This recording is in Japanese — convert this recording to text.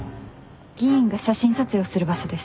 議員が写真撮影をする場所です。